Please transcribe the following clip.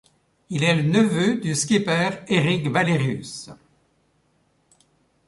Il est le neveu du skipper Erik Wallerius.